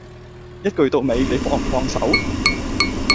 一句到尾，你放唔放手